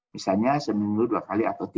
misalnya seminggu dua kali atau tiga